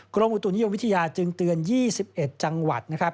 กรมอุตุนิยมวิทยาจึงเตือน๒๑จังหวัดนะครับ